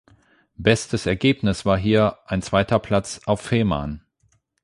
Bestes Ergebnis war hier ein zweiter Platz auf Fehmarn.